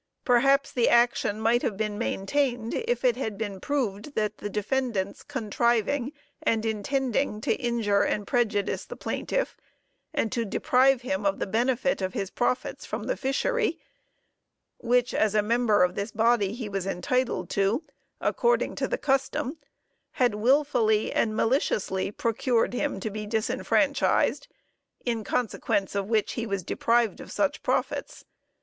Perhaps the action might have been maintained, if it had been proved that the defendants' contriving and intending to injure and prejudice the plaintiff, and to deprive him of the benefit of his profits from the fishery, which as a member of this body he was entitled to, according to the custom, had wilfully and maliciously procured him to be disfranchised, in consequence of which he was deprived of such profits.